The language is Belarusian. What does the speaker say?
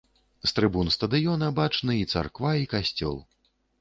З трыбун стадыёна бачны і царква, і касцёл.